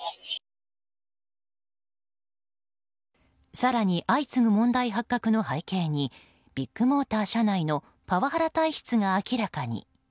更に、相次ぐ問題発覚の背景にビッグモーター社内のパワハラ体質が明らかに。